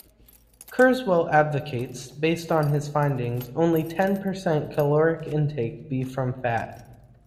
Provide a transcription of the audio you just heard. Kurzweil advocates, based on his findings, only ten percent caloric intake be from fat.